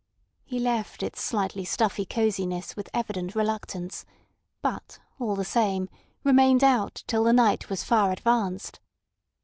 He left its slightly stuffy cosiness with evident reluctance, but, all the same, remained out till the night was far advanced.